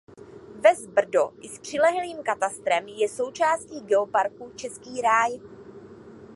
Ves Brdo i s přilehlým katastrem je součástí Geoparku Český ráj.